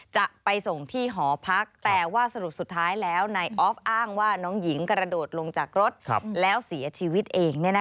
จะไปส่งที่หอพักแต่ว่าสรุปสุดท้ายแล้วนายออฟอ้างว่าน้องหญิงกระโดดลงจากรถแล้วเสียชีวิตเอง